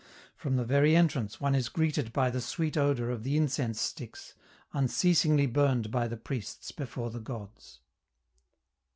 From the very entrance one is greeted by the sweet odor of the incense sticks unceasingly burned by the priests before the gods.